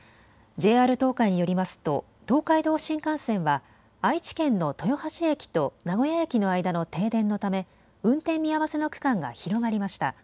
ＪＲ東海によりますと東海道新幹線は愛知県の豊橋駅と名古屋駅の間の停電のため運転見合わせの区間が広がりました。